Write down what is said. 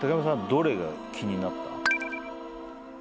どれが気になった？